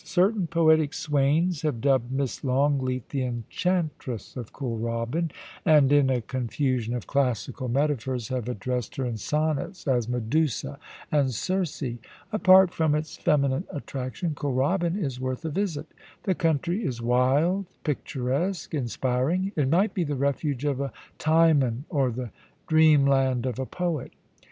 Certain poetic swains have dubbed Miss Longleat the Enchantress of Kooralbyn, and, in a confusion of classical metaphors, have addressed her in sonnets as Medusa and Circe. Apart from its feminine attraction, Kooralbyn is worth a visit The country is wild, picturesque, inspiring. It might be the refuge of a Timon, or the dreamland of a poet.